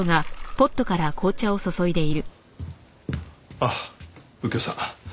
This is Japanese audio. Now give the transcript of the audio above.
あっ右京さん。